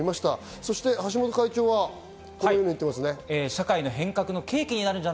そして橋本会長はこのようにおっしゃっていましたね。